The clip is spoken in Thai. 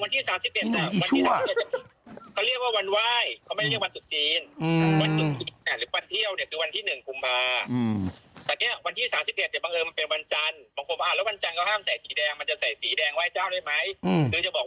จานะบนฟังการส่งผ้ามแสดง่าจะใส่สีแดงไว้นี่ไหมจะบอก